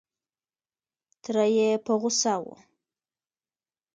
تره یې په غوسه و.